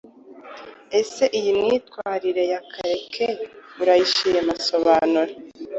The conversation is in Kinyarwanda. Ese iyi myitwarire ya Karake urayishima? Sobanura.